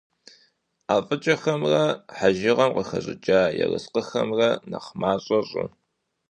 ӀэфӀыкӀэхэмрэ хьэжыгъэм къыхэщӀыкӀа ерыскъыхэмрэ нэхъ мащӀэ щӀы.